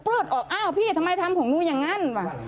เลือดออกอ้าวพี่ทำไมทำของหนูอย่างนั้นว่ะ